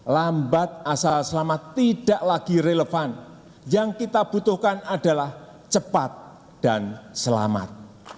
lambat asal selamat tidak lagi relevan yang kita butuhkan adalah cepat dan selamat